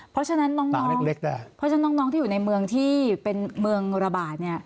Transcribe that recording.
เพราะฉะนั้นน้องที่อยู่ในเมืองที่เป็นเมืองระบาด